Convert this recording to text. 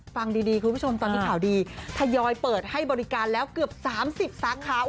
ฟังดีคุณผู้ชมตอนที่ข่าวดีทยอยเปิดให้บริการแล้วเกือบ๓๐สาขา